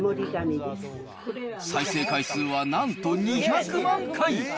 再生回数はなんと２００万回。